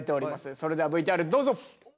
それではＶＴＲどうぞ！